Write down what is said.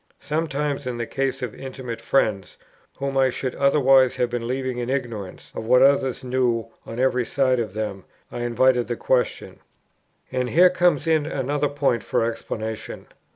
Sometimes in the case of intimate friends, whom I should otherwise have been leaving in ignorance of what others knew on every side of them, I invited the question. And here comes in another point for explanation.